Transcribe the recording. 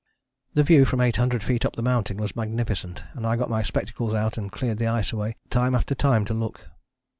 " The view from eight hundred feet up the mountain was magnificent and I got my spectacles out and cleared the ice away time after time to look.